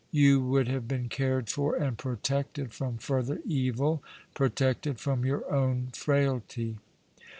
You would have been cared for and protected from further evil— protected from your own frailty.